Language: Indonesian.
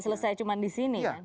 selesai cuma di sini kan